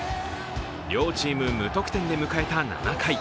両チーム無得点で迎えた７回。